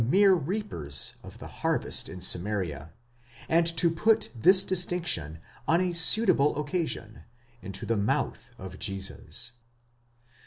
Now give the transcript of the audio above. mere reapers of the harvest in Samaria; and to put this distinction, on 8. suitable occasion, into the mouth of Jesus!